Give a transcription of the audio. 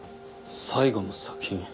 最後の作品？